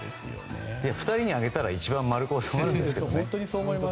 ２人にあげたら一番丸く収まるんですけどね。